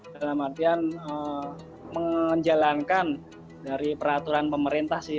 dalam artian menjalankan dari peraturan pemerintah sih